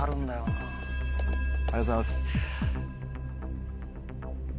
ありがとうございます。